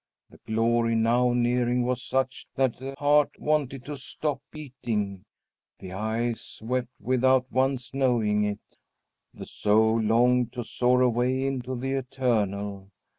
The glory now nearing was such that the heart wanted to stop beating; the eyes wept without one's knowing it; the soul longed to soar away into the Eternal.